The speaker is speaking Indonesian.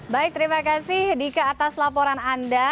baik terima kasih dika atas laporan anda